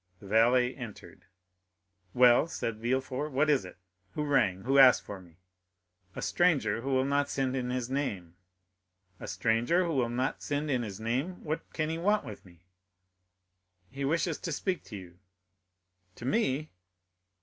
The valet entered. "Well," said Villefort, "what is it?—Who rang?—Who asked for me?" "A stranger who will not send in his name." "A stranger who will not send in his name! What can he want with me?" "He wishes to speak to you." "To me?"